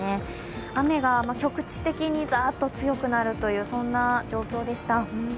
雨が局地的にザーッと強くなるという状況でした。